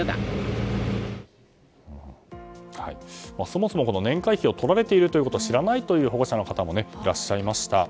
そもそも年会費をとられていることを知らないという保護者の方もいらっしゃいました。